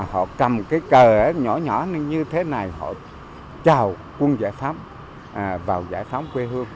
họ cầm cái cờ nhỏ nhỏ như thế này họ chào quân giải phóng vào giải phóng quê hương